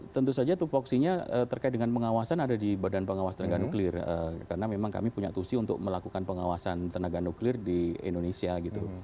tentu saja tupoksinya terkait dengan pengawasan ada di badan pengawas tenaga nuklir karena memang kami punya tusi untuk melakukan pengawasan tenaga nuklir di indonesia gitu